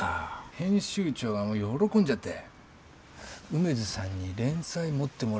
編集長がもう喜んじゃって梅津さんに連載持ってもらおうって言いだしたのよ。